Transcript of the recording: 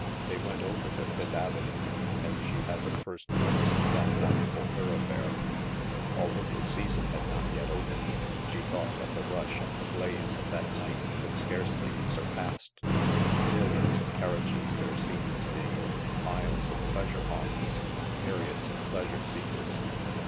They went over to Fifth Avenue, and she had her first glimpse of that wonderful thor oughfare. Although the season had not yet opened, she thought that the rush and the blaze of that night could scarcely be surpassed. Millions of carriages there seemed to be, miles of pleasure haunts, and myriads of pleasure seekers.